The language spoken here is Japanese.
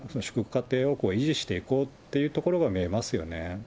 家庭を維持していこうというところが見えます